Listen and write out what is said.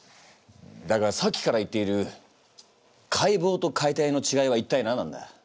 だがさっきから言っている解剖と解体のちがいは一体何なんだ？